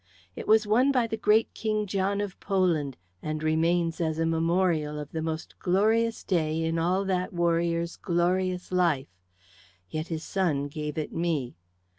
It was won by the great King John of Poland, and remains as a memorial of the most glorious day in all that warrior's glorious life; yet his son gave it me.